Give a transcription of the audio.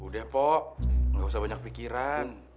udah pok gak usah banyak pikiran